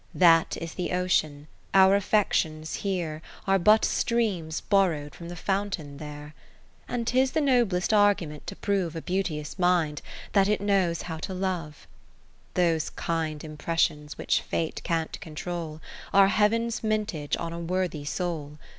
That is the ocean, our affections here Are but streams borrow'd from the fountain there. And 'tis the noblest argument to prove A beauteous mind, that it knows how to Love. Friendship Those kind impressions which Fate can't control, Are Heaven's mintage on a worthy soul.